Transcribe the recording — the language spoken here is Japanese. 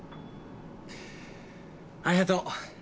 ありがとう。